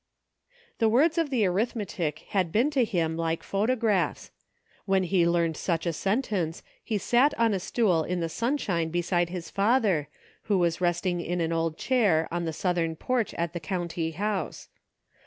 The words of the arithmetic had been to him like photographs ; when he learned such a sen tence he sat on a stool in the sunshine beside his father, who was resting in an old chair on the southern porch at the county house.